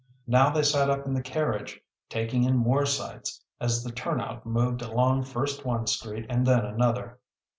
Now they sat up in the carriage taking in more sights, as the turnout moved along first one street and then another.